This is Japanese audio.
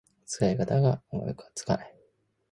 使い方が思いつかない